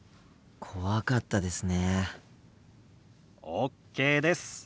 ＯＫです。